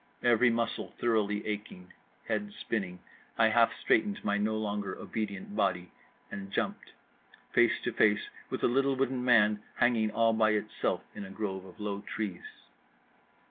Every muscle thoroughly aching, head spinning, I half straightened my no longer obedient body; and jumped: face to face with a little wooden man hanging all by itself in a grove of low trees.